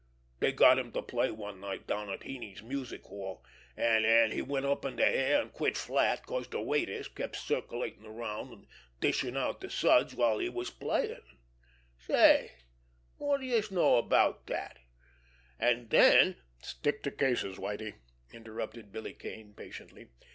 Dey got him to play one night down to Heeney's music hall, an' he went up in de air an' quit flat 'cause de waiters kept circulatin' around an' dishin' out de suds while he was playin'! Say, wot do youse know about dat! An' den——" "Stick to cases, Whitie," interrupted Billy Kane patiently.